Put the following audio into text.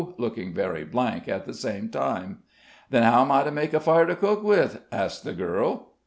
looking very blank at the same time. "Then how am I to make a fire to cook with?" asked the girl.